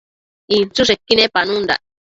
inchËshequi nepanundac